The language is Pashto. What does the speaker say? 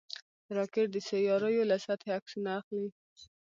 راکټ د سیارویو له سطحې عکسونه اخلي